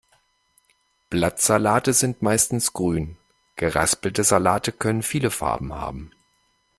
Blattsalate sind meistens grün, geraspelte Salate können viele Farben haben.